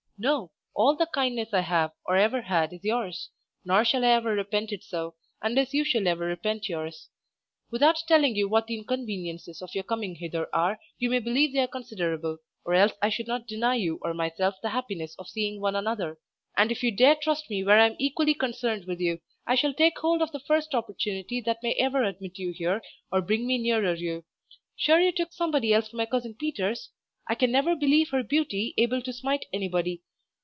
No, all the kindness I have or ever had is yours; nor shall I ever repent it so, unless you shall ever repent yours. Without telling you what the inconveniences of your coming hither are, you may believe they are considerable, or else I should not deny you or myself the happiness of seeing one another; and if you dare trust me where I am equally concerned with you, I shall take hold of the first opportunity that may either admit you here or bring me nearer you. Sure you took somebody else for my cousin Peters? I can never believe her beauty able to smite anybody.